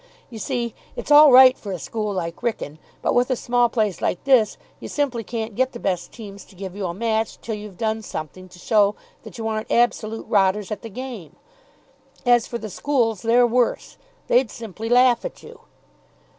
You see, it's all right for a school like Wrykyn, but with a small place like this you simply can't get the best teams to give you a match till you've done something to show that you aren't absolute rotters at the game. As for the schools, they're worse. They'd simply laugh at you.